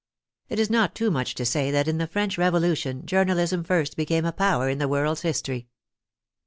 It is not too much to say that in the French Revolution journalism first became a power in the world's history.